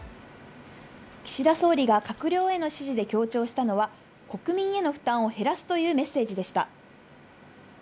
岸田総理が閣僚への指示で強調したのは、国民への負担を減らすというメッセージでした。